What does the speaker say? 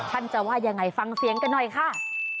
ท่านจะว่ายังไงฟังเสียงกันหน่อยค่ะ